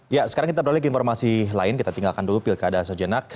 ya sekarang kita beralih ke informasi lain kita tinggalkan dulu pilkada sejenak